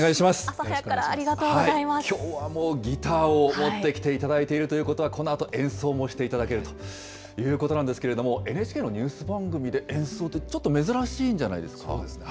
朝早くからありがとうございきょうはもう、ギターを持ってきていただいているということは、このあと演奏もしていただけるということなんですけれども、ＮＨＫのニュース番組で演奏って、そうですね。